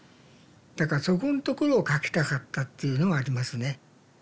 だからそこんところを書きたかったっていうのはありますね。